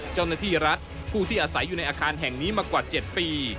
เจ้าหน้าที่รัฐผู้ที่อาศัยอยู่ในอาคารแห่งนี้มากว่า๗ปี